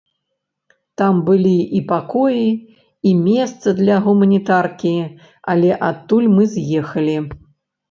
Там былі і пакоі, і месца для гуманітаркі, але адтуль мы з'ехалі.